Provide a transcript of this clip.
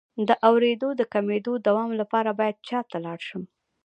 د اوریدو د کمیدو د دوام لپاره باید چا ته لاړ شم؟